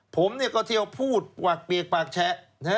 ผมก็เที่ยวพูดหวักเปียกปากแชะ